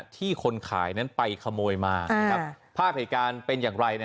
ที่คนขายนั้นไปขโมยมาภาพเหตุการณ์เป็นอย่างไร